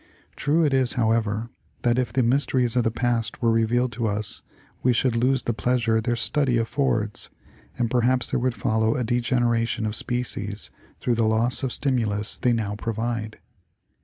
True it is, however, that if the mysteries of the past were revealed to us we should lose the pleasures their study affords and perhaps there would follow a degeneration of species through the loss of stimulus they now provide.